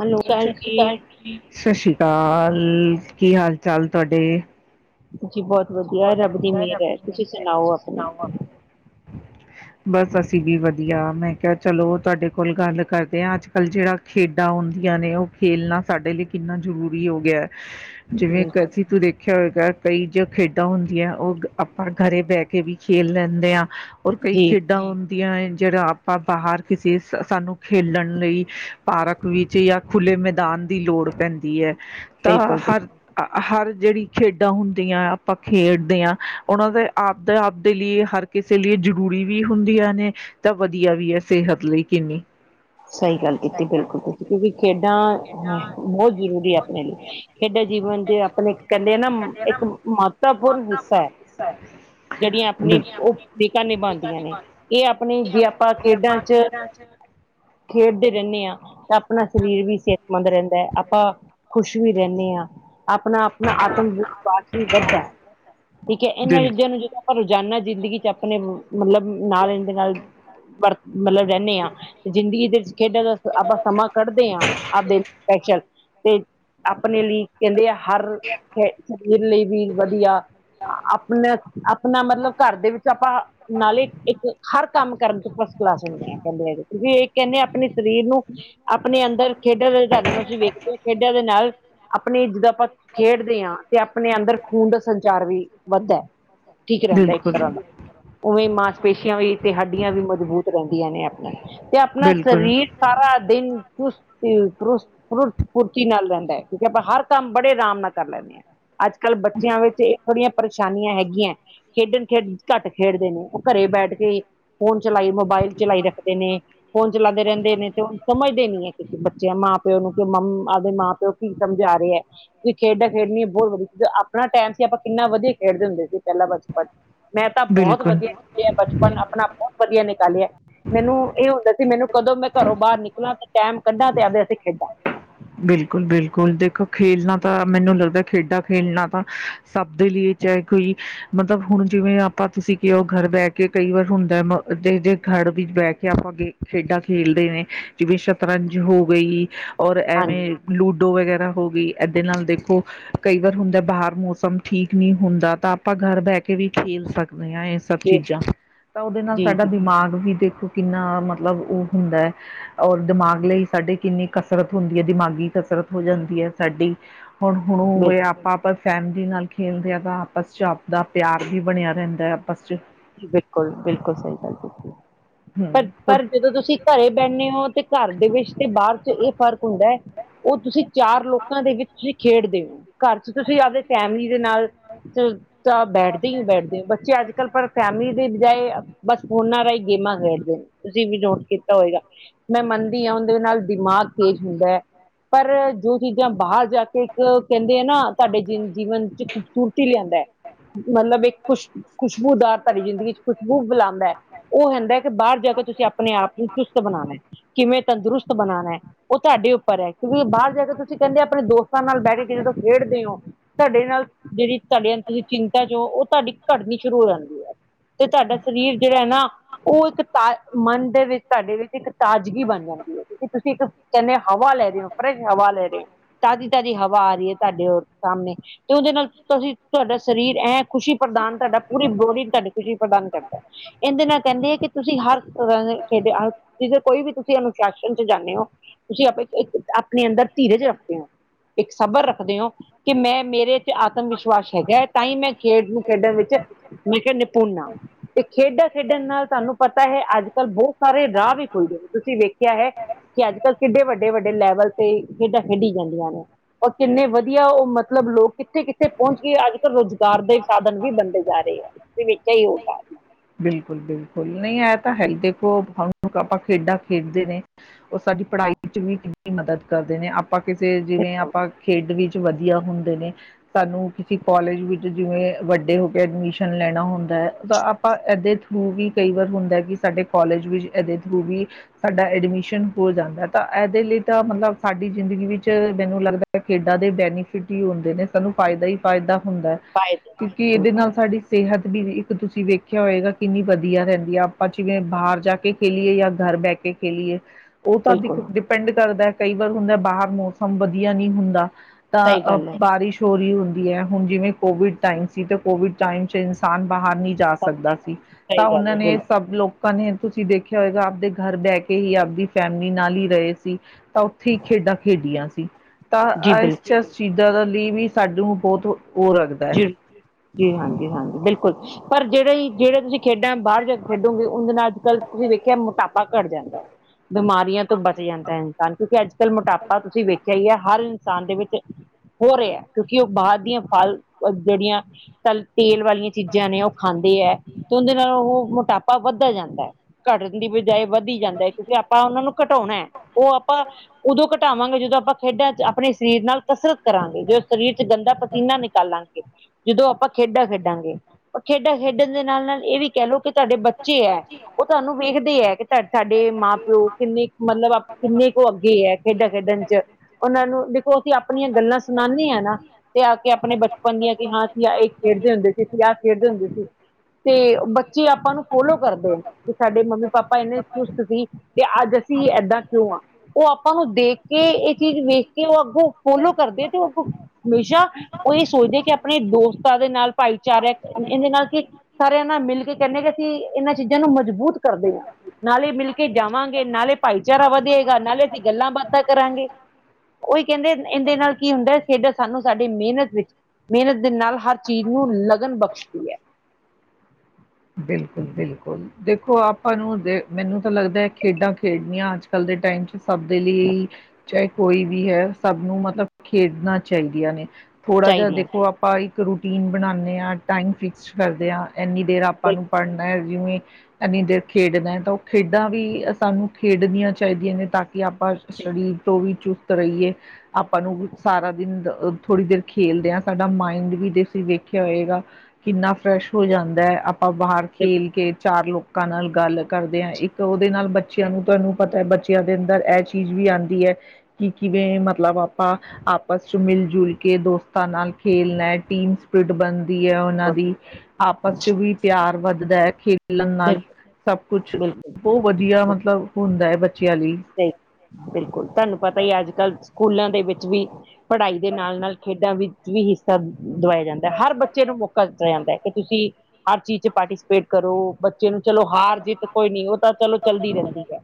Hello ਸਤਿ ਕਾਲ ਸ਼੍ਰੀ ਜੀ ਅਕਾਲ ਸਤਿ ਸ਼੍ਰੀ ਅਕਾਲ ਕੀ ਹਾਲ ਚਾਲ ਤੁਹਾਡੇ? ਜੀ ਬਹੁਤ ਵਧੀਆ ਰੱਬ ਦੀ ਮਿਹਰ ਐ ਤੁਸੀਂ ਸੁਣਾਓ ਆਪਣੀ? [inaudible] ਬਸ ਅਸੀਂ ਵੀ ਵਧੀਆ ਮੈਂ ਕਿਹਾ ਚਲੋ ਤੁਹਾਡੇ ਕੋਲ ਗੱਲ ਕਰਦੇ ਆ ਅੱਜ ਕੱਲ੍ਹ ਜਿਹੜਾ ਖੇਡਾਂ ਹੁੰਦੀਆਂ ਨੇ ਉਹ ਖੇਲਣਾ ਸਾਡੇ ਲਈ ਕਿੰਨਾ ਜ਼ਰੂਰੀ ਹੋ ਗਿਆ। ਜਿਵੇਂ ਬਿਲਕੁਲ [unintelligible] ਤੂੰ ਦੇਖਿਆ ਹੋਏਗਾ ਕਈ ਜ ਖੇਡਾਂ ਹੁੰਦੀਆਂ ਉਹ ਆਪਾਂ ਘਰੇ ਬਹਿ ਕੇ ਵੀ ਖੇਲ ਲੈਂਦੇ ਆ ਔਰ ਕਈ ਜੀ ਖੇਡਾਂ ਹੁੰਦੀਆਂ ਜਿਹੜਾ ਆਪਾਂ ਬਾਹਰ ਕਿਸੇ ਸਾਨੂੰ ਖੇਲਣ ਲਈ ਪਾਰਕ ਵਿੱਚ ਜਾਂ ਖੁੱਲੇ ਮੈਦਾਨ ਦੀ ਲੋੜ ਪੈਂਦੀ ਐ। ਤਾਂ ਬਿਲਕੁਲ ਬਿਲਕੁਲ ਹਰ ਹਰ ਜਿਹੜੀ ਖੇਡਾਂ ਹੁੰਦੀਆਂ ਆਪਾਂ ਖੇਡਦੇ ਆ ਉਹਨਾਂ ਦੇ ਆਪਦੇ ਆਪਦੇ ਲਈ ਹਰ ਕਿਸੇ ਲਈ ਜ਼ਰੂਰੀ ਵੀ ਹੁੰਦੀਆਂ ਨੇ। ਤਾਂ ਵਧੀਆ ਵੀ ਆ ਸਿਹਤ ਲਈ ਕਿੰਨੀ। ਸਹੀ ਗੱਲ ਕੀਤੀ ਬਿਲਕੁਲ ਬਿਲਕੁਲ ਕਿਉਂਕਿ ਖੇਡਾਂ ਬਹੁਤ ਜ਼ਰੂਰੀ ਆ ਆਪਣੇ ਲਈ। ਖੇਡਾਂ ਜੀਵਨ ਦੇ ਆਪਣੇ ਕਹਿੰਦੇ ਆ ਨਾ ਇੱਕ ਮਹੱਤਵਪੂਰਨ ਹਿੱਸਾ। ਹਿੱਸਾ। ਜਿਹੜੀਆਂ ਆਪਣੀ ਉਹ ਭੂਮਿਕਾ ਨਿਭਾਂਦੀਆਂ ਨੇ ਇਹ ਆਪਣੇ ਜੇ ਆਪਾਂ ਖੇਡਾਂ ਚ ਖੇਡਦੇ ਰਹਿਨੇ ਆ ਆਪਣਾ ਸਰੀਰ ਵੀ ਸਿਹਤ ਮੰਦ ਰਹਿੰਦਾ ਆਪਾਂ ਖੁਸ਼ ਵੀ ਰਹਿਣੇ ਆ ਆਪਣਾ ਆਤਮ ਵਿਸ਼ਵਾਸ ਵੀ ਵੱਧਦਾ ਠੀਕ ਐ ਕਿਉਂਕਿ ਇਹਨਾਂ ਚੀਜ਼ਾਂ ਨੂੰ ਜਿਹੜਾ ਰੋਜ਼ਾਨਾ ਜ਼ਿੰਦਗੀ ਚ ਆਪਣੇ ਮਤਲਬ ਨਾਲ ਏਦੇ ਨਾਲ ਵਰਤ ਮਤਲਬ ਰਹਿਣੇ ਆ। ਜ਼ਿੰਦਗੀ ਦੇ ਵਿੱਚ ਖੇਡਣ ਦਾ ਆਪਾਂ ਸਮਾਂ ਕੱਢਦੇ ਆ ਆਪਦੇ ਸੈਸ਼ਲ ਤੇ ਆਪਣੇ ਲਈ ਕਹਿੰਦੇ ਆ ਹਰ ਸਰੀਰ ਲਈ ਵੀ ਵਧੀਆ। ਆਪਣਾ ਆਪਣਾ ਮਤਲਬ ਘਰ ਦੇ ਵਿੱਚ ਆਪਾਂ ਨਾਲੇ ਇੱਕ ਹਰ ਕੰਮ ਕਰਨ ਚ ਫਸਟ ਕਲਾਸ ਹੁੰਦੀ ਆ ਕਹਿੰਦੇ ਹੈਗੇ ਤੁਸੀਂ ਇਹ ਕਹਿੰਦੇ ਆਪਣੇ ਸਰੀਰ ਨੂੰ ਆਪਣੇ ਅੰਦਰ ਖੇਡਾਂ ਦੇ [unintelligible] ਨੂੰ ਅਸੀਂ ਵੇਖਦੇ ਆ ਖੇਡਾਂ ਦੇ ਨਾਲ ਆਪਣੇ ਜਦੋਂ ਆਪਾਂ ਖੇਡਦੇ ਆ ਤੇ ਆਪਣੇ ਅੰਦਰ ਖੂਨ ਦਾ ਸੰਚਾਰ ਵੀ ਵੱਧਦਾ। ਠੀਕ ਰਹਿੰਦਾ ਇੱਕ ਵੇਖੋ ਤਰ੍ਹਾਂ ਨਾਲ। ਉਵੀ ਮਾਸਪੇਸ਼ੀਆਂ ਵੀ ਤੇ ਹੱਡੀਆਂ ਵੀ ਮਜ਼ਬੂਤ ਰਹਿੰਦੀਆਂ ਨੇ ਆਪਣਾ ਤੇ ਆਪਣਾ ਸਰੀਰ ਸਾਰਾ ਦਿਨ ਚੁਸਤ [unintelligible] ਫੁਰਤੀ ਨਾਲ ਰਹਿੰਦਾ ਕਿਉਂਕਿ ਆਪਾਂ ਹਰ ਕੰਮ ਬੜੇ ਆਰਾਮ ਨਾਲ ਕਰ ਲੈਂਨੇ ਆ। ਅੱਜ ਕੱਲ੍ਹ ਬੱਚਿਆਂ ਵਿੱਚ ਇਹ ਥੋੜ੍ਹੀਆਂ ਪਰੇਸ਼ਾਨੀਆਂ ਹੈਗੀਆਂ। ਖੇਡਣ ਖੇਡਣ ਘੱਟ ਖੇਡਦੇ ਨੇ ਉਹ ਘਰੇ ਬੈਠ ਕੇ ਫੋਨ ਚਲਾਈ ਮੋਬਾਇਲ ਚਲਾਈ ਰੱਖਦੇ ਨੇ। ਫੋਨ ਚਲਾਂਦੇ ਰਹਿੰਦੇ ਨੇ ਤੇ ਓ ਸਮਝਦੇ ਨੀ ਐ। ਇੱਕ ਬੱਚੇ ਮਾਂ ਪਿਓ ਨੂੰ ਕੀ ਮੰ ਆਪਦੇ ਮਾਂ ਪਿਓ ਕੀ ਸਮਝਾ ਰੇ ਐ। ਤੁਸੀਂ ਖੇਡਾਂ ਖੇਡਣੀਆਂ ਬੋਤ ਵਧੀਆ ਆਪਣਾ ਟਾਈਮ ਸੀ ਆਪਾਂ ਕਿੰਨਾ ਵਧੀਆ ਖੇਡਦੇ ਹੁੰਦੇ ਸੀ ਪਹਿਲਾਂ ਬਚਪਨ ਮੈਂ ਤਾਂ ਬਹੁਤ ਬਿਲਕੁਲ ਵਧੀਆ [unintelligible] ਬਚਪਨ ਆਪਣਾ ਬਹੁਤ ਵਧੀਆ ਨਿਕਾਲਿਆ ਮੈਨੂੰ ਏ ਹੁੰਦਾ ਮੈਨੂੰ ਕਦੋਂ ਮੈਂ ਘਰੋਂ ਬਾਹਰ ਨਿਕਲਾਂ ਤੇ ਟਾਈਮ ਕੱਢਾ ਤੇ ਆਪਦੇ ਅਸੀਂ ਖੇਡਾਂ ਬਿਲਕੁਲ ਬਿਲਕੁਲ ਦੇਖੋ ਖੇਲਣਾ ਤਾਂ ਮੈਨੂੰ ਲੱਗਦਾ ਖੇਡਾਂ ਖੇਲਣਾ ਤਾਂ ਸਭ ਦੇ ਲਈ ਚਾਹੇ ਕੋਈ ਮਤਲਬ ਹੁਣ ਜਿਵੇਂ ਆਪਾਂ ਤੁਸੀਂ ਕਿ ਹੋ ਗਰ ਬਹਿ ਕੇ ਕਈ ਵਾਰ ਹੁੰਦਾ ਜ ਜੇ ਗਰ ਵਿੱਚ ਬਹਿ ਕੇ ਆਪਾਂ ਖੇਡਾਂ ਖੇਲਦੇ ਨੇ ਜਿਵੇਂ ਸ਼ਤਰੰਜ ਹੋ ਗਈ ਔਰ ਹਾਂਜੀ ਐਵੇਂ ਲੂਡੋ ਵਗੈਰਾ ਹੋ ਗਈ ਏਦੇ ਨਾਲ ਦੇਖੋ ਕਈ ਵਾਰ ਹੁੰਦਾ ਬਾਹਰ ਮੌਸਮ ਠੀਕ ਨੀ ਹੁੰਦਾ ਤਾਂ ਆਪਾਂ ਘਰ ਬਹਿ ਕੇ ਵੀ ਖੇਲ ਸਕਦੇ ਆ ਇਸ ਸਭ ਜੀ ਚੀਜ਼ਾਂ, ਤਾਂ ਉਹਦੇ ਨਾਲ ਜੀ ਸਾਡਾ ਜੀ ਦਿਮਾਗ ਵੀ ਦੇਖੋ ਕਿੰਨਾ ਮਤਲਬ ਓਹ ਹੁੰਦਾ ਹੈ, ਔਰ ਦਿਮਾਗ ਲਈ ਸਾਡੇ ਕਿੰਨੀ ਕਸਰਤ। ਹੁੰਦੀ ਹੈ ਦਿਮਾਗੀ ਕਸਰਤ ਹੋ ਜਾਂਦੀ ਏ ਸਾਡੀ, ਹੁਣ- ਹੁਣ ਇਹ ਆਪਾਂ ਆਪਾਂ ਫੈਮਲੀ ਨਾਲ ਖੇਡਦੇ ਆ ਤਾਂ ਆਪਸ 'ਚ ਆਪਦਾ ਪਿਆਰ ਵੀ ਬਣਿਆ ਰਹਿੰਦਾ ਆਪਸ 'ਚ। ਬਿਲਕੁਲ- ਬਿਲਕੁਲ ਸਈ ਗੱਲ ਹੈਗੀ ਏ, ਹੂੰ ਹੋਰ ਪਰ-ਪਰ ਜਦੋਂ ਤੁਸੀਂ ਘਰੇ ਬਹਿੰਣੇ ਹੋ ਤੇ ਘਰ ਦੇ ਵਿੱਚ, ਤੇ ਬਾਹਰ ਚ ਇਹ ਫਰਕ ਹੁੰਦਾ ਹੈ, ਉਹ ਤੁਸੀਂ ਚਾਰ ਲੋਕਾਂ ਦੇ ਵਿੱਚ ਹੀ ਖੇਡਦੇ ਹੋ, ਘਰ ਚ ਤੁਸੀਂ ਆਪਦੇ ਫੈਮਿਲੀ ਦੇ ਨਾਲ ਤਾਂ ਬੈਠਦੇ ਹੀ ਬੈਠਦੇ ਆ ਬੱਚੇ ਅੱਜ ਕੱਲ ਫੇਰ ਫੈਮਿਲੀ ਦੀ ਬਜਾਏ ਬਸ ਫੋਨਾਂ ਰਾਹੀਂ ਗੇਮਾਂ ਖੇਡਦੇ ਹੋ ਤੁਸੀਂ ਵੀ ਗੋਰ ਕੀਤਾ ਹੋਏਗਾ। ਮੈਂ ਮੰਨਦੀ ਹਾਂ ਉਹਦੇ ਨਾਲ ਦਿਮਾਗ ਤੇਜ਼ ਹੁੰਦਾ ਏ। ਪਰ ਜੋ ਚੀਜ਼ਾਂ ਬਾਹਰ ਜਾ ਕੇ ਇੱਕ ਕਹਿੰਦੇ ਆ ਨਾ, ਤੁਹਾਡੇ ਜਿ ਜੀਵਨ ਚ ਖੂਬਸੂਰਤੀ ਲਿਆਂਦਾ। ਮਤਲਬ ਇੱਕ ਖੁਸ਼ ਖੁਸ਼ਬੂਦਾਰ ਤੁਹਾਡੀ ਜ਼ਿੰਦਗੀ ਚ ਖੁਸ਼ਬੂ ਫੈਲਾਉਂਦਾ ਏ, ਉਹ ਹੁੰਦਾ ਕਿ ਬਾਹਰ ਜਾ ਕੇ ਤੁਸੀਂ ਆਪਣੇ ਆਪ ਨੂੰ ਚੁਸਤ ਬਣਾਣਾ ਐ। ਕਿਵੇਂ ਤੰਦਰੁਸਤ ਬਣਾਣਾ ਐ, ਉਹ ਤੁਹਾਡੇ ਉੱਪਰ ਹੈ ਕਿਉਂਕਿ ਬਾਹਰ ਜਾ ਕੇ ਤੁਸੀਂ ਕਹਿੰਦੇ ਆਪਣੇ ਦੋਸਤਾਂ ਨਾਲ ਬੈਕੈ ਤੁਸੀਂ ਖੇਡਦੇ ਓਹ। ਤੁਹਾਡੇ ਨਾਲ ਜਿਹੜੀ ਤੁਹਾਡੇ ਅੰਦਰਲੀ ਚਿੰਤਾ ਚ ਹੋ ਉਹ ਤੁਹਾਡੀ ਘੱਟਣੀ ਸ਼ੁਰੂ ਹੋ ਜਾਂਦੀ ਆ। ਤੇ ਤਾੱਡਾ ਸਰੀਰ ਜਿਹੜਾ ਆ ਨਾ ਉਹ ਇੱਕ ਤਾ ਮਨ ਦੇ ਵਿੱਚ ਤਾਡੇ ਵਿੱਚ ਇੱਕ ਤਾਜ਼ਗੀ ਬਣ ਜਾਂਦੀ ਹੈ, ਕਿਉਂ ਕੀ ਤੁਸੀਂ ਇੱਕ ਕਹਿੰਨੇ ਹਵਾ ਲੈ ਰੇ ਹੋ, ਫਰੈਸ਼ ਹਵਾ ਲੈ ਰਹੇ ਹੋ, ਤਾਜ਼ੀ- ਤਾਜ਼ੀ ਹਵਾ ਆ ਰਹੀ ਹੈ ਤੁਹਾਡੇ ਸਾਹਮਣੇ। ਤੇ ਉਹਦੇ ਨਾਲ ਤੁਸੀਂ ਤੁਹਾਡਾ ਸਰੀਰ ਐਂ ਖੁਸ਼ੀ ਪ੍ਰਦਾਨ ਕਰਦਾ, ਪੂਰੀ ਬੋਡੀ ਤੁਹਾਡੇ ਖੁਸ਼ੀ ਪ੍ਰਦਾਨ ਕਰਦਾ, ਇਹਦੇ ਨਾਲ ਕਹਿੰਦੇ ਹੈ ਕਿ ਤੁਸੀਂ ਹਰ ਤਰਾਂ ਦੇ ਖੇਡ ਹਰ ਜੇ ਕੋਈ ਵੀ ਤੁਸੀਂ ਅਨੁਸ਼ਾਸਨ ਚ ਜਾਂਦੇ ਹੋ, ਤੁਸੀਂ ਆਪ ਆਪਣੇ ਅੰਦਰ ਧੀਰਜ ਰੱਖਦੇ ਹੋ। ਇੱਕ ਸਬਰ ਰੱਖਦੇ ਹੋ, ਕਿ ਮੈਂ ਮੇਰੇ ਆਤਮ ਵਿਸ਼ਵਾਸ ਹੈਗਾ ਹੈ, ਤਾਂ ਹੀ ਮੈਂ ਖੇਡ ਨੂੰ ਖੇਡਣ ਵਿੱਚ ਮੇਨਸ਼ ਨਿਪੁੰਨ ਹਾ। ਤੇ ਖੇਡਾਂ ਖੇਡਣ ਨਾਲ ਤੁਹਾਨੂੰ ਪਤਾ ਹੈ ਅੱਜ ਕੱਲ ਬਹੁਤ ਸਾਰੇ ਰਾਹ ਵੀ ਖੁੱਲ ਗਏ ਨੇ, ਤੁਸੀਂ ਵੇਖਿਆ ਹੈ। ਕਿ ਅੱਜ ਕੱਲ ਕਿੱਡੇ ਵੱਡੇ- ਵੱਡੇ ਲੈਵਲ ਤੇ ਖੇਡਾਂ ਖੇਡੀ ਜਾਂਦੀਆਂ ਨੇ, ਔਰ ਕਿੰਨੇ ਵਧੀਆ ਮ- ਮਤਲਬ ਲੋਕ ਕਿੱਥੇ- ਕਿੱਥੇ ਪਹੁੰਚ ਗਏ, ਅੱਜ ਕੱਲ ਰੁਜ਼ਗਾਰ ਦੇ ਸਾਧਨ ਵੀ ਬਣਦੇ ਜਾ ਰਹੇ ਆ, ਵਿੱਚ ਹੀ ਹੋ ਬਿਲਕੁਲ- ਬਿਲਕੁਲ ਨਈ ਇਹ ਤਾਂ ਹੈ ਹੀ, ਦੇਖੋ ਹੁਣ ਆਪਾਂ ਖੇਡਾਂ ਖੇਡਦੇ ਨੇ। ਉਹ ਸਾਡੀ ਪੜਾਈ ਚ ਵੀ ਕਿੰਨੀ ਮਦਦ ਕਰਦੇ ਨੇ, ਆਪਾਂ ਕਿਸੇ ਜਿਵੇਂ ਬਿਲਕੁਲ ਆਪਾਂ ਖੇਡ ਵਿੱਚ ਜੀ ਵਧੀਆ ਹੁੰਦੇ ਨੇ। ਸਾਨੂੰ ਕਿਸੇ ਕੋਾਲਜ ਵਿੱਚ, ਜਿਵੇਂ ਵੱਡੇ ਹੋ ਕੇ ਐਡਮਿਸ਼ਨ ਲੈਣਾ ਹੁੰਦਾ ਹੈ ਯਾ ਆ- ਆਪਾਂ ਇਹਦੇ ਥਰੂ ਵੀ ਕਈ ਵਾਰ ਹੁੰਦਾ ਕਿ ਸਾਡੇ ਕੋਲਜ ਵਿੱਚ ਇਹਦੇ ਥਰੂ ਵੀ। ਸਾਡਾ ਐਡਮਿਸ਼ਨ ਹੋ ਜਾਂਦਾ ਹਾਂ, ਤਾਂ ਇਹਦੇ ਲਈ ਤਾਂ ਮਤਲਬ ਸਾਡੀ ਜ਼ਿੰਦਗੀ ਵਿੱਚ ਮੈਨੂੰ ਲੱਗਦਾ ਹ- ਖੇਡਾਂ ਦੇ ਬੈਨੀਫਿਟ ਹੀ ਹੁੰਦੇ ਨੇ, ਸਾਨੂੰ ਫਾਇਦਾ ਹੀ ਫਾਇਦਾ ਹੁੰਦਾ ਹਾਂ। ਫਾਇਦੇ ਕਿਉਂਕਿ ਇਹਦੇ ਬਿਲਕੁਲ ਨਾਲ ਸਾਡੀ ਸਿਹਤ ਵੀ, ਇੱਕ ਤੁਸੀਂ ਵੇਖ- ਖਿਆ ਹੋਏਗਾ ਕਿੰਨੀ ਵਧੀਆ ਰਹਿੰਦੀ ਆ, ਆਪਾਂ ਜਿਵੇਂ ਬਾਹਰ ਜਾ ਕੇ ਖੇਲੀਏ, ਜਾਂ ਘਰ ਬਹਿ ਕੇ ਖੇਲੀਏ। ਉਹ ਤਾਂ ਬਿਲਕੁਲ ਡਿਪੈਂਡ ਕਰਦਾ ਕਈ ਵਾਰ ਹੁੰਦਾ ਬਾਹਰ ਮੌਸਮ ਵਧੀਆ ਨਹੀਂ ਹੁੰਦਾ। ਤਾਂ ਸਹੀ ਆ ਗੱਲ ਹੈ ਬਾਰਿਸ਼। ਚੋਰੀ ਹੁੰਦੀ ਹੈ। ਹੁਣ ਜਿਵੇਂ ਕੋਵਿਡ ਟਾਈਮ ਸੀ ਤਾਂ ਕੋਵਿਡ ਟਾਈਮ ਇਨਸਾਨ ਬਾਹਰ ਨਹੀਂ ਜਾ ਸਭ ਸਕਦਾ ਸਹੀ ਸੀ, ਤਾਂ ਸਹੀ ਗੱਲ ਉਹਨਾਂ ਹੈ ਨੇ ਬਿਲਕੁਲ ਸਭ ਲੋਕ ਲੋਕ ਨੇ ਤੁਸੀਂ ਦੇਖਿਆ ਹੋਏਗਾ ਆਪਦੇ ਘਰ ਬਹਿ ਕੇ ਹੀ ਆਪਦੀ ਫੈਮਿਲੀ ਨਾਲ ਹੀ ਰਹੇ ਸੀ, ਤਾਂ। ਕੀ ਖੇਡਾਂ ਖੇਡੀਆਂ ਸੀ, ਤਾਂ ਜੀ ਬਿਲਕੁਲ ਇਸ ਚ। ਚੀਜ਼ਾਂ ਦੇ ਲਈ ਵੀ ਸਾਨੂੰ ਬਹੁਤ ਉਹ ਰਗਦਾ। ਜੀ। ਜੀ ਹਾਂਜੀ- ਹਾਂਜੀ ਬਿਲਕੁਲ, ਪਰ ਜਿਹੜੇ ਹੀ ਜਿਹੜੇ ਤੁਸੀਂ ਖੇਡਾਂ ਬਾਹਰ ਜਾ ਕੇ ਖੇਡੋਗੇ ਉਹਦੇ ਨਾਲ। ਅੱਜ ਕੱਲ੍ਹ ਤੁਸੀਂ ਦੇੇਖਿਆ ਮੋਟਾਪਾ ਘੱਟ ਜਾਂਦਾ ਹੈ, ਬਿਮਾਰੀਆਂ ਤੋਂ ਬਚ ਜਾਂਦਾ ਹੈ। ਕਿਉਂਕਿ ਅੱਜ ਕੱਲ੍ਹ ਮੋਟਾਪਾ ਤੁਸੀਂ ਵੇਖਿਆ ਹੀ ਹੈ, ਹਰ ਇਨਸਾਨ ਦੇ ਵਿੱਚ। ਹੋ ਰਿਹਾ ਕਿਉਂਕਿ ਉਹ ਬਾਹਰ ਦੀਆਂ ਫਲ ਜਿਹੜੀਆਂ। ਤੱਲ ਤੇਲ ਵਾਲੀਆਂ ਚੀਜ਼ਾਂ ਨੇ ਉਹ ਖਾਂਦੇ ਹੈ ਤੇ ਉਹਦੇ ਨਾਲ ਉਹ ਮੋਟਾਪਾ ਵੱਧਦਾ ਜਾਂਦਾ ਹੈ। ਘਟਣ ਦੀ ਬਜਾਏ ਵੱਧੀ ਜਾਂਦਾ ਹੈ ਕਿਉਂਕਿ ਆਪਾਂ ਉਹਨਾਂ ਨੂੰ ਘਟਾਉਣਾ ਹੈ। ਉਹ ਆਪਾਂ ਉਦੋਂ ਘਟਾਵਾਂਗੇ ਜਦੋਂ ਆਪਾਂ ਖੇਡਾਂ ਚ ਆਪਣੇ ਸਰੀਰ ਨਾਲ ਕਸਰਤ ਕਰਾਂਗੇ ਜੋ। ਸਰੀਰ ਚ ਗੰਦਾ ਪਸੀਨਾ ਨਿਕਾਲਣ ਗੇ। ਜਦੋਂ ਆਪਾਂ ਖੇਡਾਂ ਖੇਡਾਂਗੇ, ਪਰ ਖੇਡਾਂ ਖੇਡਣ ਦੇ ਨਾਲ ਨਾਲ ਇਹ ਵੀ ਕਹਿ ਲਓ ਕਿ ਤੁਹਾਡੇ ਬੱਚੇ। ਬੱਚਾ ਹੈ ਉਹ ਤੁਹਾਨੂੰ ਵੇਖਦੇ ਹੈ ਕਿ। ਸਾਡੇ ਮਾਂ -ਪਿਓ ਕਿੰਨੇ ਕੁ ਮਤਲਬ ਕਿੰਨੇ ਕੁ ਅੱਗੇ ਹੈ ਖੇਡਾਂ ਖੇਡਣ ਚ। ਉਹਨਾਂ ਨੂੰ ਦੇਖੋ ਅਸੀਂ ਆਪਣੀਆਂ ਗੱਲਾਂ ਸੁਣਾਉਂਦੇ ਹਾਂ ਨਾ ਤੇ ਆ ਕੇ ਆਪਣੇ ਬੱਚੇ। ਕਿ ਹਾਂ ਸੀ ਆਹ ਇਹ ਖੇਡਦੇ ਹੁੰਦੇ ਸੀ ਆਹ ਖੇਡਦੇ ਹੁੰਦੇ ਸੀ। ਤੇ ਬੱਚੇ ਆਪਾਂ ਨੂੰ ਫੋਲੋ ਕਰਦੇ ਆ। ਸਾਡੇ ਮੰਮੀ ਪਾਪਾ ਇੰਨੇ ਚੁਸਟ ਸੀ ਤੇ ਅੱਜ ਅਸੀਂ ਇਏਦਾਂ ਕਿਉਂ ਆਾਂ। ਉਹ ਆਪਾਂ ਨੂੰ ਦੇਖ ਕੇ ਇਹ ਚੀਜ਼ ਵੇਖ ਕੇ ਉਹ ਅੱਗੋਂ ਫੋਲੋ ਕਰਦੇ ਤੇ ਉਹ। ਹਮੇਸ਼ਾ ਉਹ ਇਹ ਸੋਚਦੇ ਕਿ ਆਪਣੇ ਦੋਸਤਾਂ ਦੇ ਨਾਲ ਭਾਈਚਾਰਕ ਇਹਦੇ ਨਾਲ ਕਿ। ਸਾਰਿਆਂ ਨਾਲ ਮਿਲ ਕੇ ਕਹਿੰਦੇ ਕਿ ਅਸੀਂ ਇਹਨਾਂ ਚੀਜ਼ਾਂ ਨੂੰ ਮਜ਼ਬੂਤ ਕਰਦੇ ਹਾਂ। ਨਾਲੇ ਮਿਲ ਕੇ ਜਾਵਾਂਗੇ ਨਾਲੇ ਭਾਈਚਾਰਾ ਵਧੇਗਾ ਨਾਲੇ ਅਸੀਂ ਗੱਲਾਂ ਬਾਤਾਂ ਕਰਾਂਗੇ। ਉਹੀ ਕਹਿੰਦੇ ਇਹਦੇ ਨਾਲ ਕੀ ਹੁੰਦਾ ਖੇਡਾ ਸਾਨੂੰ ਸਾਡਡੀ ਮਿਹਨਤ ਵਿੱਚ। ਮਿਹਨਤ ਦੇ ਨਾਲ ਹਰ ਚੀਜ਼ ਨੂੰ ਲਗਨ ਬਖਸ਼ਦੀ ਹੈ। ਬਿਲਕੁਲ-ਬਿਲਕੁਲ। ਦੇਖੋ ਆਪਾਂ ਨੂੰ ਮੈਨੂੰ ਤਾਂ ਲੱਗਦਾ ਖੇਡਾਂ ਖੇਡਣੀਆਂ ਅੱਜ ਕੱਲ੍ਹ ਦੇ ਟਾਈਮ ਚ ਸਭ ਦੇ ਲਈ। ਚਾਹੇ ਕੋਈ ਵੀ ਹੈ। ਸਭ ਨੂੰ ਮਤਲਬ ਖੇਡਣਾ ਚਾਹੀਦੀਆਂ ਨੇ। ਥੋੜਾ ਜਿਹਾ ਚਾਹੀਦੀ ਹੈ ਦੇਖੋ ਆਪਾਂ ਇੱਕ ਰੂਟੀਨ ਬਣਾਉਂਦੇ ਹਾਂ ਟਾਈਮ ਫਿਕਸ ਕਰਦੇ ਹਾਂ ਇੰਨੀ ਦੇਰ। ਆਪਾਂ ਨੂੰ ਬਿਲਕੁਲ ਪੜਨਾ ਹਾਂ। ਜਿਵੇਂ ਇੰਨੀ ਦੇਰ ਖੇਡਣਾ ਹੈ ਤਾਂ ਉਹ ਖੇਡਾਂ ਵੀ ਸਾਨੂੰ ਖੇਡਣੀਆਂ ਚਾਹੀਦੀਆਂ ਨੇ ਤਾਂ। ਕਿ ਆਪਾਂ ਸਰੀਰ ਤੋਂ ਵੀ ਚੁਸਤ ਰਹੀਏ। ਆਪਾਂ ਨੂੰ ਸਾਰਾ ਦਿਨ ਥੋੜ੍ਹੀ ਦੇਰ ਖੇਲਦੇ ਹਾਂ ਸਾਡਾ ਮਾਇੰਡ ਵੀ ਅਸੀਂ ਵੇਖਿਆ ਹੋਏਗਾ। ਕਿੰਨਾ ਫਰੈਸ਼ ਹੋ ਜਾਂਦਾ ਹੈ ਆਪਾਂ ਬਾਹਰ ਬਿਲਕੁਲ ਖੇਲ ਕੇ ਚਾਰ ਲੋਕ। ਲੋਕਾ ਨਾਲ ਗੱਲ ਕਰਦੇ ਹਾਂ, ਇੱਕ ਉਹਦੇ ਨਾਲ ਬੱਚਿਆਂ ਨੂੰ ਤੁਹਾਨੂੰ ਪਤਾ ਹੈ ਬੱਚਿਆਂ ਦੇ ਅੰਦਰ ਇਹ ਚੀਜ਼ ਵੀ ਆਉਂਦੀ ਹੈ। ਕਿ ਕਿਵੇਂ ਮਤਲਬ ਆਪਾਂ। ਆਪਸ ਚ ਮਿਲ ਜੁਲ ਕੇ ਦੋਸਤਾਂ ਨਾਲ ਖੇਲਣਾ ਟੀਮ। ਬਣਦੀ ਹੈ ਉਹਨਾਂ ਦੀ ਆਪਸ ਚ ਵੀ ਪਿਆਰ ਵੱਧਦਾ ਹੈ ਖੇਡ। ਮਿਲਣ ਨਾਲ ਬਿਲਕੁਲ ਸਭ ਕੁਛ ਬਿਲਕੁਲ ਬਹੁਤ ਵਧੀਆ ਮਤਲਬ ਹੁੰਦਾ ਹੈ ਬੱਚਿਆਂ ਲਈ। ਬਿਲਕੁਲ ਤੁਹਾਨੂੰ ਪਤਾ ਹੀ ਅੱਜ ਕੱਲ੍ਹ ਸਕੂਲਾਂ ਦੇ ਵਿੱਚ ਵੀ ਪੜ੍ਹਾਈ ਦੇ ਨਾਲ ਨਾਲ ਖੇਡਾਂ ਵੀ ਵੀ ਹਿੱਸਾ ਦਵਾਇਆ ਜਾਂਦਾ ਹਰ ਬੱਚੇ ਨੂੰ ਮੌਕਾ ਦਿੱਤਾ ਜਾਂਦਾ ਹੈ ਕਿ ਤੁਸੀਂ ਹਰ ਚੀਜ਼ ਚ ਪਾਰਟੀਸਪੇਟ ਕਰੋ- ਬੱਚੇ ਨੂੰ ਚਲੋ ਹਾਰ ਜਿੱਤ ਕੋਈ ਨੀ ਉਹ ਤਾਂ ਚਲੋ ਚੱਲਦੀ ਰਹਿੰਦੀ ਹੈ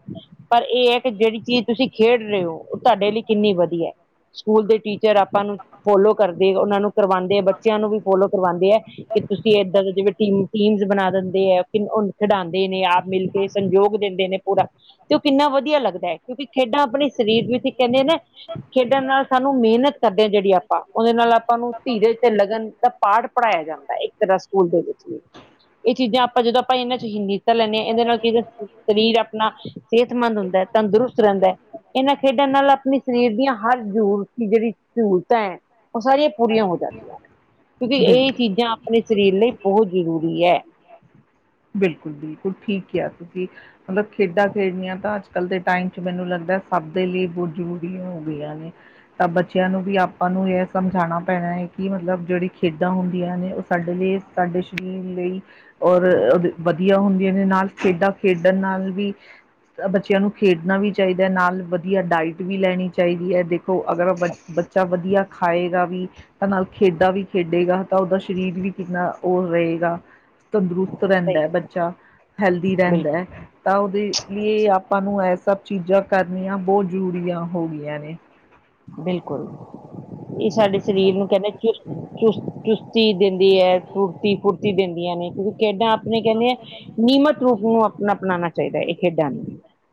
ਪਰ ਇਹ ਜਿਹੜੀ ਚੀਜ਼ ਤੁਸੀਂ ਖੇਡ ਰਹੇ ਹੋ ਉਹ ਤੁਹਾਡੇ ਲਈ ਕਿੰਨੀ ਵਧੀਆ ਹੈ ਸਕੂਲ ਦੇ ਟੀਚਰ ਆਪਾਂ ਨੂੰ ਫੋਲੋ ਕਰਦੇ ਉਹਨਾਂ ਨੂੰ ਕਰਵਾਉਂਦੇ ਹੈ ਬੱਚਿਆਂ ਨੂੰ ਵੀ ਫੋਲੋ ਕਰਵਾਉਂਦੇ ਹੈ ਕਿ ਤੁਸੀਂ ਏਦਾਂ ਦੇ ਜਿਵੇਂ ਟੀਮ ਬਣਾ ਦਿੰਦੇ ਆ ਉਹੂੰ ਖਿਡਾਉਂਦੇ ਨੇ ਆਪ ਮਿਲ ਕੇ ਸੰਯੋਗ ਦਿੰਦੇ ਨੇ ਪੂਰਾ ਤੇ ਉਹ ਕਿੰਨਾ ਵਧੀਆ ਲੱਗਦਾ ਹੈ ਕਿਉਂਕਿ ਖੇਡਾਂ ਆਪਣੇ ਸਰੀਰ ਨੂੰ ਵਿੱਚ ਕਹਿੰਦੇ ਨਾ ਖੇਡਣ ਨਾਲ ਸਾਨੂੰ ਮਿਹਨਤ ਕਰਦੇ ਹਾਂ ਜਿਹੜੀ ਆਪਾਂ ਉਹਦੇ ਨਾਲ ਆਪਾਂ ਨੂੰ ਧੀਰੇ ਤੇ ਲਗਨ ਦਾ ਪਾਠ ਪੜ੍ਹਾਇਆ ਜਾਂਦਾ ਇੱਕ ਤਰ੍ਹਾਂ ਸਕੂਲ ਦੇ ਵਿੱਚ ਵੀ ਇਹ ਚੀਜ਼ਾਂ ਆਪਾਂ ਜਦੋਂ ਆਪਾਂ ਇਹਨਾਂ ਚ ਹੀਨੀਤਾ ਲੈਂਦੇ ਹਾਂ ਇਹਦੇ ਨਾਲ ਕੀ ਸਰੀਰ ਆਪਣਾ ਸਿਹਤਮੰਦ ਹੁੰਦਾ ਐ। ਦਰੁਸਤ ਰਹਿੰਦਾ ਐ। ਇਹਨਾਂ ਖੇਡਾਂ ਨਾਲ ਆਪਣੇ ਸਰੀਰ ਦੀਆਂ ਹਰ ਜ਼ੂਰ ਜਿਹੜੀ ਸਹੂਲਤਾਂ ਐ ਉਹ ਸਾਰੀਆਂ ਪੂਰੀਆਂ ਹੋ ਜਾਂਦੀਆਂ ਨੇ, ਕਿਉਂਕਿ ਇਹ ਬਿਲਕੁਲ। ਚੀਜ਼ਾਂ ਆਪਣੇ ਸਰੀਰ ਲਈ ਬਹੁਤ ਜ਼ਰੂਰੀ ਐ। ਬਿਲਕੁਲ- ਬਿਲਕੁਲ ਠੀਕ ਕਿਆ ਤੁਸੀਂ ਮਤਲਬ ਖੇਡਾਂ ਖੇਡਣੀਆਂ ਤਾਂ ਅੱਜ ਕੱਲ੍ਹ ਦੇ ਟਾਈਮ ਚ ਮੈਨੂੰ ਲੱਗਦਾ ਸਭ ਦੇ ਲਈ ਬੋਤ ਜ਼ਰੂਰੀ ਹੋ ਗਈਆਂ ਨੇ। ਤਾਂ ਬੱਚਿਆਂ ਨੂੰ ਵੀ ਆਪਾਂ ਨੂੰ ਇਹ ਸਮਝਾਣਾ ਪੈਣਾ ਹੈ ਕੀ ਮਤਲਬ ਜਿਹੜੀ ਖੇਡਾਂ ਹੁੰਦੀਆਂ ਨੇ ਉਹ ਸਾਡੇ ਲਈ ਸਾਡੇ ਸਰੀਰ ਲਈ ਔਰ -ਔਰ ਵਧੀਆ ਹੁੰਦ ਜਿਹਦੇ ਨਾਲ ਖੇਡਾਂ ਖੇਡਣ ਨਾਲ ਵੀ ਕੱਲ ਬੱਚਿਆਂ ਨੂੰ ਖੇਡਣਾ ਵੀ ਚਾਹੀਦਾ ਹੈ ਨਾਲ ਵਧੀਆ ਡਾਇਟ ਵੀ ਲੈਣੀ ਚਾਹੀਦੀ ਐ। ਦੇ ਖੋ ਅਗਰ ਬ ਬੱਚਾ ਵਧੀਆ ਖਾਏਗਾ ਵੀ ਤਾਂ ਨਾਲ ਖੇਡਾਂ ਵੀ ਖੇਡੇਗਾ ਤਾਂ ਉਹਦਾ ਸਰੀਰ ਵੀ ਕਿੰਨਾ ਉਹ ਰਹੇਗਾ, ਤੰਦਰੁਸਤ ਰਹਿੰਦਾ ਸਹੀ ਐ ਗੱਲ ਬੱਚਾ। ਹੈਲਦੀ ਬਿਲਕੁਲ ਰਹਿੰਦਾ ਐ। ਤਾਂ ਉਹਦੇ ਲਈ ਆਪਾਂ ਨੂੰ ਇਹ ਸਭ ਚੀਜ਼ਾਂ ਕਰਨੀਆਂ ਬਹੁਤ ਜ਼ਰੂਰੀਆਂ ਹੋ ਗਈਆਂ ਨੇ। ਬਿਲਕੁਲ ਇਹ ਸਾਡੇ ਸਰੀਰ ਨੂੰ ਕਹਿੰਦੇ ਚੁਸਤ- ਚੁਸਤ -ਚੁਸਤ ਚੀਜ਼ ਦਿੰਦੀ ਹੈ ਫਤੀ ਫੁਰਤੀ ਦਿੰਦੀਆਂ ਨੇ ਤੁਸੀਂ ਕਿੱਡਾਂ ਆਪਣੇ ਕਹਿੰਦੇ ਐ, ਨਿਯਮਤ ਰੂਪ ਨੂੰ ਆਪਣਾ ਅਪਣਾਉਣਾ ਚਾਹੀਦਾ ਇਹ ਖੇਡਾਂ ਨੂੰ,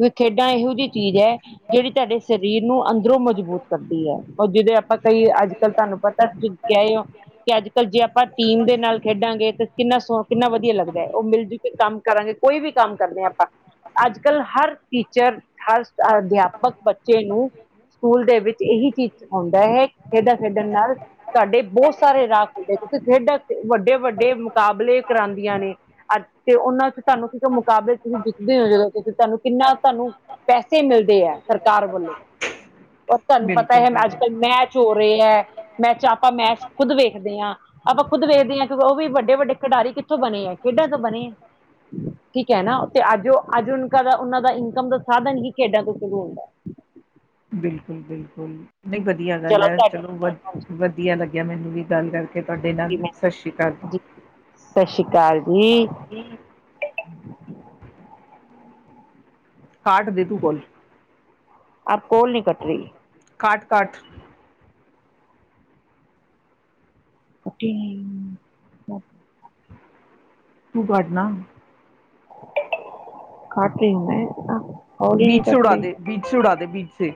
ਏ ਖੇਡਾਂ ਇਹੋ ਜਿਹੀ ਚੀਜ਼ ਹੈ, ਜਿਹੜੀ ਤੁਹਾਡੇ ਸਰੀਰ ਨੂੰ ਅੰਦਰੋਂ ਮਜ਼ਬੂਤ ਕਰਦੀ ਐ ਉਹ ਜਿਹਦੇ ਆਪਾਂ ਕਈ ਅੱਜ ਕੱਲ ਤੁਹਾਨੂੰ ਪਤਾ ਤੁਸੀਂ ਕਹਿਹੇ ਹੋ ਕਿ ਅੱਜ ਕੱਲ ਜੇ ਆਪਾਂ ਟੀਮ ਦੇ ਨਾਲ ਖੇਡਾਂਗੇ ਤੇ ਕਿੰਨਾ ਸੋਹ ਕਿੰਨਾ ਵਧੀਆ ਲੱਗਦਾ ਹੈ ਉਹ ਮਿਲ ਜੁ ਕੰਮ ਕਰਾਂਗੇ ਕੋਈ ਵੀ ਕੰਮ ਕਰਦੇ ਹਾਂ ਆਪਾਂ। ਅੱਜ ਕੱਲ੍ਹ ਹਰ ਟੀਚਰ ਹਰ ਅਧਿਆਪਕ ਬੱਚੇ ਨੂੰ ਸਕੂਲ ਦੇ ਵਿੱਚ ਇਹੀ ਚੀਜ਼ ਹਉਂਦਾ ਹੈ ਖੇਡਾਂ ਖੇਡਣ ਨਾਲ ਤੁਹਾਡੇ ਬਹੁਤ ਸਾਰੇ ਰਾਹ ਖੁਲਦੇ ਕਿਉਕਿ ਖੇਡਾਂ ਵੱਡੇ ਵੱਡੇ ਮੁਕਾਬਲੇ ਕਰਾਉਦੀਆਂ ਨੇ। ਅੱ ਤੇ, ਉਹਨਾਂ ਚ ਤੁਹਾਨੂੰ ਕਿ ਮੁਕਾਬਲੇ ਤੁਸੀਂ ਦਿਖਦੇ ਹੋ ਜਦੋਂ ਕਿ ਤੁਹਾਨੂੰ ਕਿੰਨਾ ਤੁਹਾਨੂੰ ਪੈਸੇ ਮਿਲਦੇ ਐ ਸਰਕਾਰ ਵੱਲੋਂ। ਔਰ ਤੁਹਾਨੂੰ ਪਤਾ ਬਿਲਕੁਲ ਹੈ ਅੱਜ ਬਿਲਕੁਲ ਕੱਲ੍ਹ ਮੈਚ ਹੋ ਰਹੇ ਹੈ ਮੈਚ ਆਪਾਂ ਮੈਚ ਖੁਦ ਵੇਖਦੇ ਆ। ਆਪਾਂ ਖੁਦ ਵੇਖਦੇ ਆ ਕਿ ਉਹ ਵੀ ਵੱਡੇ- ਵੱਡੇ ਖਿਡਾਰੀ ਕਿੱਥੋਂ ਬਣੇ ਐ ਖੇਡਾਂ ਤੋਂ ਬਣੇ ਐ। ਠੀਕ ਹੈ ਨਾ ਤੇ ਅੱਜ ਉਹ ਅੱਜ ਦਾ ਉਹਨਾਂ ਦਾ ਇਨਕਮ ਦਾ ਸਾਧਨ ਹੀ ਖੇਡਾਂ ਤੋਂ ਸ਼ੁਰੂ ਹੁੰਦਾ। ਬਿਲਕੁਲ ਬਿਲਕੁਲ, ਨਹੀਂ ਵਦੀਆ ਗੱਲ ਹੈ ਚਲੋ ਵ ਵਦੀਆ ਲੱਗਿਆ ਮੈਨੂੰ ਵੀ ਗੱਲ ਕਰਕੇ ਤੁਹਾਡੇ ਨਾਲ ਹਾਂਜੀ ਸਤਿ ਸ਼੍ਰੀ ਅਕਾਲ ਜੀ, ਸਤਿ ਸ਼੍ਰੀ ਅਕਾਲ ਜੀ। ਕਾਟ ਦੇ ਤੂੰ ਕੋਲ। ਅਬ ਕੋਲ ਨੀ ਕੱਟ ਰਹੀ। ਕਾਟ-ਕਾਟ [inaudible] ਤੂੰ ਕਟਨਾ ਕੱਟ ਨੀ ਆ ਬੀਚ ਸੇ ਉਡਾ ਦੇ, ਬੀਚ ਉਡਾ ਦੇ ਬੀਚ ਸੇ